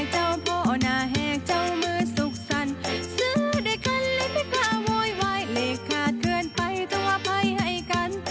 ให้กัน